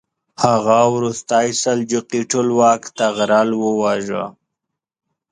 هغه وروستی سلجوقي ټولواک طغرل وواژه.